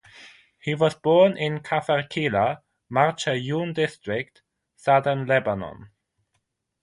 He was born in Kafarkila, Marjayoun district, southern Lebanon.